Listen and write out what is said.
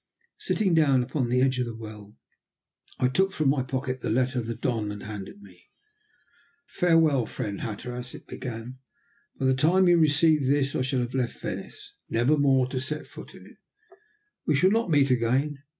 Sitting down upon the edge of the well I took from my pocket the letter the Don had handed me. "Farewell, friend Hatteras," it began. "By the time you receive this I shall have left Venice, never more to set foot in it. We shall not meet again.